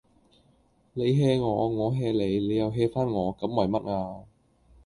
你 hea 我，我 hea 你，你又 hea 返我，咁為乜吖